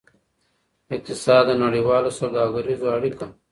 اقتصاد د نړیوالو سوداګریزو اړیک